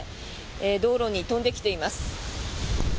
道路に飛んできています。